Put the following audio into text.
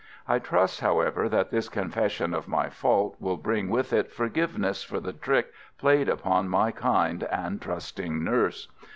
I trust, however, that this confession of my fault will bring with it forgiveness for the trick played upon my kind and trusting nurse.